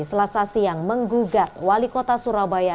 selasa siang menggugat wali kota surabaya